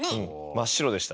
真っ白でした。